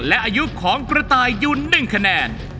และอายุของกระต่ายอยู่๑คะแนน